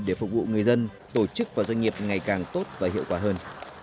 để phục vụ người dân tổ chức và doanh nghiệp ngày càng tốt và hiệu quả hơn